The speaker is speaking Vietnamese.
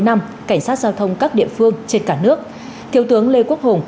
cảnh sát giao thông các địa phương trên cả nước thiếu tướng lê quốc hùng